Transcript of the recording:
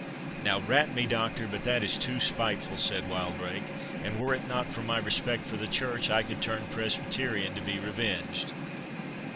"Now, rat me, Doctor, but that is too spiteful," said Wildrake; "and were it not for my respect for the Church, I could turn Presbyterian, to be revenged."